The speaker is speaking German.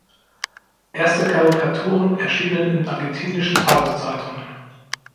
Erste Karikaturen erschienen in argentinischen Tageszeitungen.